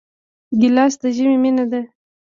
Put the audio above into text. ګیلاس د ژمي مینه ده.